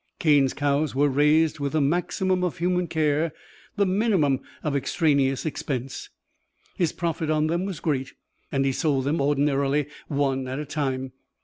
Cane's cows were raised with the maximum of human care, the minimum of extraneous expense. His profit on them was great and he sold them, ordinarily, one at a time.